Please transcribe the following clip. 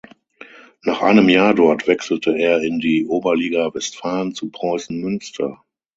Nach einem Jahr dort wechselte er in die Oberliga Westfalen zu Preußen Münster.